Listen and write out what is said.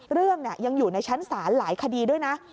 เรื่องยังอยู่ในชั้นศาลหลายคดีด้วยนะ